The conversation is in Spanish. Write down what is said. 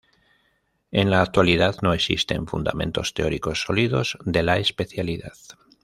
En la actualidad no existen fundamentos teóricos sólidos de la especialidad.